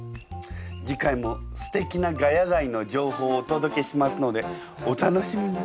次回もすてきな「ヶ谷街」の情報をおとどけしますのでお楽しみに。